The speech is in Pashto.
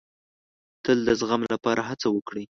تل د زغم لپاره هڅه وکړئ.